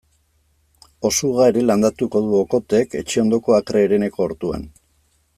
Osuga ere landatu du Okothek etxe ondoko akre hereneko ortuan.